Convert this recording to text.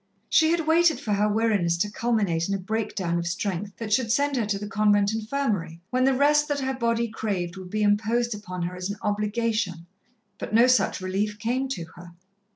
She had waited for her weariness to culminate in a breakdown of strength that should send her to the convent infirmary, when the rest that her body craved would be imposed upon her as an obligation, but no such relief came to her.